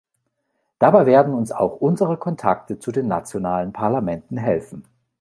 Dabei werden uns auch unsere Kontakte zu den nationalen Parlamenten helfen.